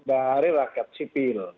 dari rakyat sipil